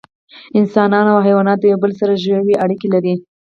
انسانان او حیوانات د یو بل سره ژوی اړیکې لري